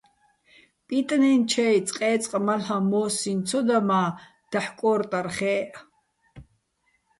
პიტნეჼ ჩაჲ წყე́წყ მალ'აჼ მო́სსიჼ ცო და მა, დაჰ̦ კო́რტარ ხე́ჸ.